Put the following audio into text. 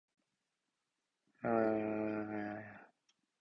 お化けが鏡を見て、「今日は少し透明過ぎるかな」と思った。